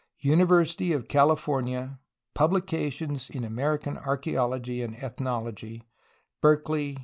University of CaHfor nia, Publications [in] Ameri can archaeology and ethnology (Berkeley.